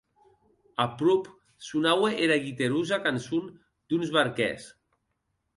Aprop sonaue era guiterosa cançon d’uns barquèrs.